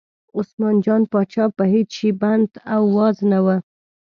عثمان جان پاچا په هېڅ شي بند او واز نه و.